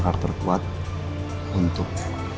karakter kuat untuk